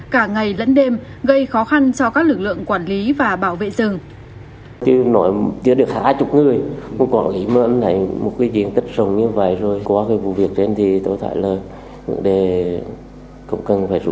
cả ngày lẫn đêm gây khó khăn cho các lực lượng quản lý và bảo vệ rừng